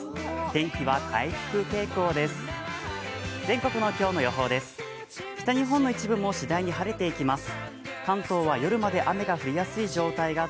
天気は回復傾向です。